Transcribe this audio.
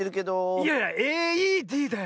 いやいやＡＥＤだよ。